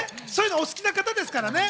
お好きな方ですからね。